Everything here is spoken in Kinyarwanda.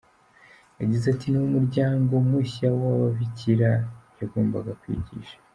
Yagize ati“Ni umuryango mushya w’ababikira yagombaga kwigisha.